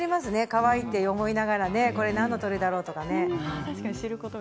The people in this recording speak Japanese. かわいいと思いながらこれは何の鳥だろうとかね。